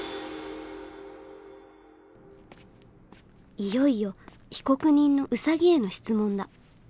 いよいよ被告人のウサギへの質問だ。